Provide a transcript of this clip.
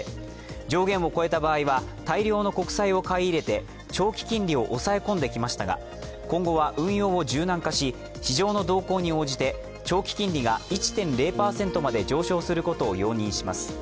上限を超えた場合は大量の国債を買い入れて長期金利を抑え込んできましたが、今後は運用を柔軟化し、市場の動向に応じて長期金利が１．０％まで上昇することを容認します。